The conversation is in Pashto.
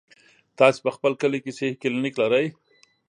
تاسې په خپل کلي کې صحي کلينيک لرئ؟